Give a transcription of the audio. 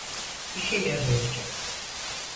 İşe yarayacak.